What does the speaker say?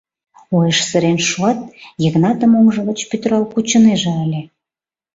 Уэш сырен шуат, Йыгнатым оҥжо гыч пӱтырал кучынеже ыле.